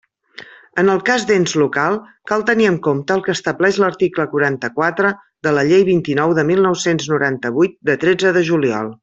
En el cas d'ens local, cal tenir en compte el que estableix l'article quaranta-quatre de la Llei vint-i-nou de mil nou-cents noranta-vuit, de tretze de juliol.